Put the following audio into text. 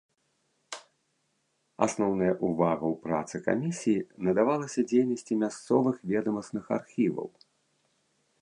Асноўная ўвага ў працы камісіі надавалася дзейнасці мясцовых ведамасных архіваў.